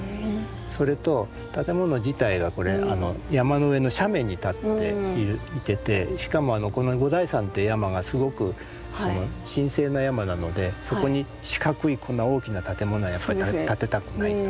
それと建物自体が山の上の斜面に立っていてしかもこの五台山っていう山がすごく神聖な山なのでそこに四角いこんな大きな建物はやっぱり建てたくないと。